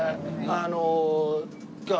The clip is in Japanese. あの。